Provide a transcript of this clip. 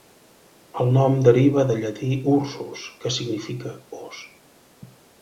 El nom deriva del llatí "ursus", que significa "os".